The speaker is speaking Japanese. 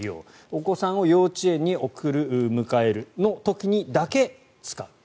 お子さんを幼稚園に送る、迎えるの時にだけ使う。